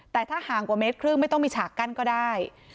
แต่ถ้าห่างกว่าเมตรครึ่งไม่ต้องมีฉากกั้นก็ได้